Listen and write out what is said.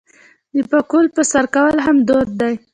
د پکول په سر کول هم دود دی.